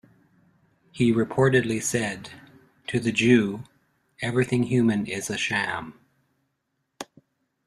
He reportedly said, To the Jew, everything human is a sham.